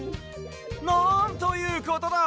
なんということだ！